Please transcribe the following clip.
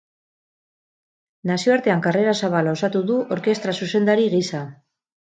Nazioartean karrera zabala osatu du orkestra-zuzendari gisa.